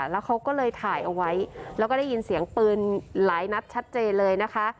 แล้วเขาก็เลยถ่ายเอาไว้แล้วก็ได้ยินเสียงปืนหลายนัดชัดเจนเลยนะคะ